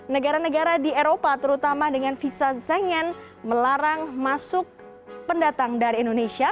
negara negara di eropa terutama dengan visa zengen melarang masuk pendatang dari indonesia